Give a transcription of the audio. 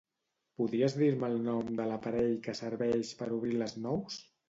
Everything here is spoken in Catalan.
Podries dir-me el nom de l'aparell que serveix per obrir les nous?